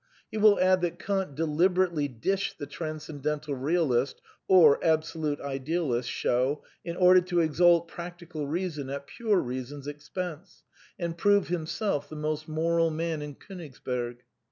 He will add that Kant de liberately dished the Transcendental Bealist (or Absolute Idealist) show in order to exalt Practical Beason at Pure Eeason's expense, and prove himself the most moral man in Konigsberg.